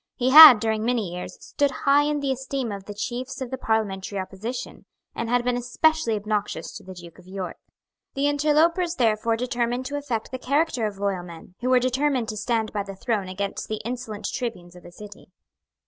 He had, during many years, stood high in the esteem of the chiefs of the parliamentary opposition, and had been especially obnoxious to the Duke of York. The interlopers therefore determined to affect the character of loyal men, who were determined to stand by the throne against the insolent tribunes of the City.